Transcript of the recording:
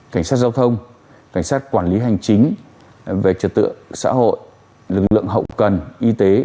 cảnh sát giao thông cảnh sát quản lý hành chính về trật tự xã hội lực lượng hậu cần y tế